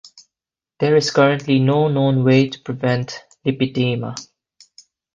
There is currently no known way to prevent lipedema.